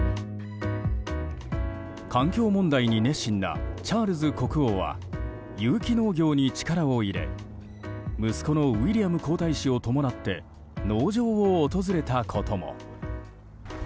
環境問題に熱心なチャールズ国王は有機農業に力を入れ息子のウィリアム皇太子を伴って農場を訪れたことも。